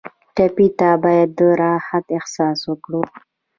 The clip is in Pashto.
ټپي ته باید د راحت احساس ورکړو.